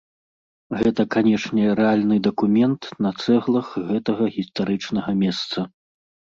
Гэта, канешне, рэальны дакумент на цэглах гэтага гістарычнага месца.